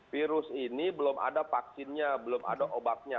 virus ini belum ada vaksinnya belum ada obatnya